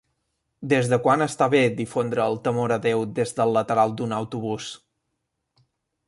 Des de quan està bé difondre el temor a Déu des del lateral d'un autobús?